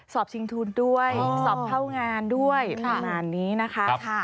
ชิงทุนด้วยสอบเข้างานด้วยประมาณนี้นะคะ